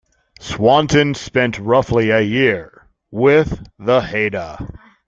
Swanton spent roughly a year with the Haida.